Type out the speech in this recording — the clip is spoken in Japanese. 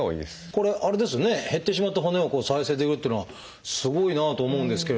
これあれですよね減ってしまった骨を再生できるっていうのはすごいなと思うんですけれども。